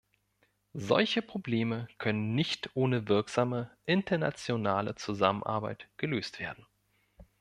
Solche Probleme können nicht ohne wirksame internationale Zusammenarbeit gelöst werden.